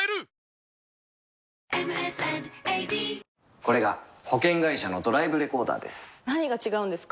これが保険会社のドライブレコーダーです何が違うんですか？